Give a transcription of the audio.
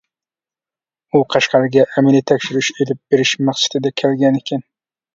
ئۇ قەشقەرگە ئەمەلىي تەكشۈرۈش ئېلىپ بېرىش مەقسىتىدە كەلگەنىكەن.